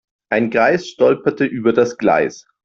Ein Greis stolperte über das Gleis.